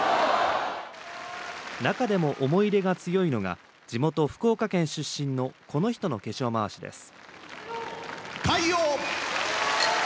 中でも思い入れが強いのが地元、福岡県出身のこの人の化粧まわしです。